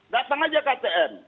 datang aja ktn